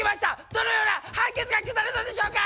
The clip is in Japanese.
どのような判決が下るのでしょうか？